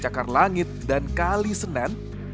cakar langit dan kali senen